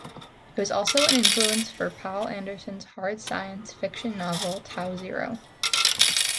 It was also an influence for Poul Anderson's hard science fiction novel "Tau Zero".